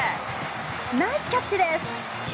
ナイスキャッチです。